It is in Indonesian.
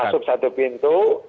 kita akan masuk satu pintu